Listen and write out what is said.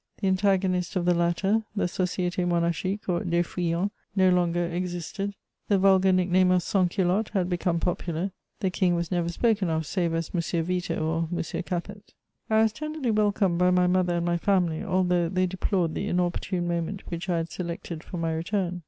The antagonist of the latter, the Société Monarchique, or des Feuillants, no longer existed; the vulgar nickname of sans culotte had become popular; the King was never spoken of save as "Monsieur Veto" or "Monsieur Capet." [Sidenote: My marriage.] I was tenderly welcomed by my mother and my family, although they deplored the inopportune moment which I had selected for my return.